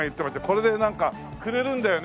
これでなんかくれるんだよね。